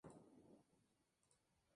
Boris vive con sus padres en un colmado.